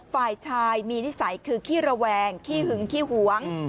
ฝ่ายชายมีนิสัยคือขี้ระแวงขี้หึงขี้หวง